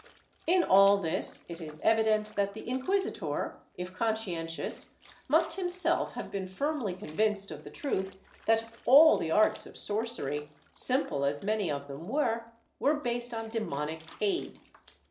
In all this it is evident that the inquisitor, if conscientious, must himself have been firmly convinced of the truth that all the arts of sorcery, simple as many of them were, were based on demonic aid.